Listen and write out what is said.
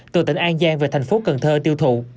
từ tỉnh an giang về tp cần thơ tiêu thụ